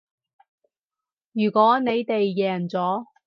如果你哋贏咗